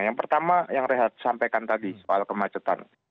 yang pertama yang rehat sampaikan tadi soal kemacetan